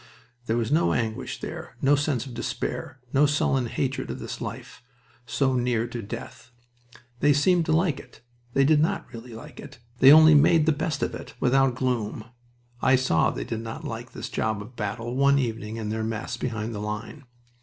There was no anguish there, no sense of despair, no sullen hatred of this life, so near to death. They seemed to like it... They did not really like it. They only made the best of it, without gloom. I saw they did not like this job of battle, one evening in their mess behind the line.